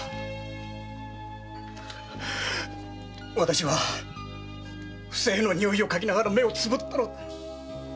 私は不正の臭いを嗅ぎながら目をつぶったのだ！